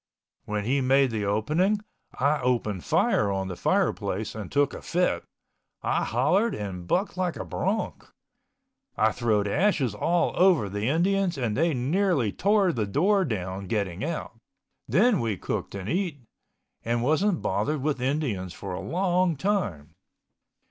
When he made the opening I opened fire on the fireplace and took a fit. I hollered and bucked like a bronc. I throwed ashes all over the Indians and they nearly tore the door down getting out. Then we cooked and eat, and wasn't bothered with Indians for a long time.